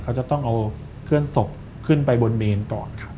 เขาจะต้องเอาเคลื่อนศพขึ้นไปบนเมนก่อนครับ